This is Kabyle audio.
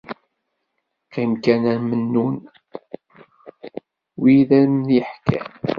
Qqim kan a Mennun, wi ad am-yeḥkun.